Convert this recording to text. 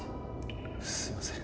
すいません。